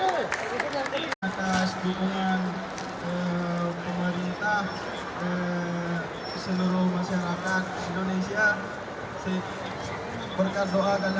dan saya berterima kasih kepada pak bob hasan sebagai ketua dewi pasir yang selalu memperhatikan saya